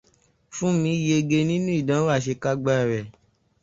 Fúnmi yege nínú ìdánwò àṣekágbánrẹ̀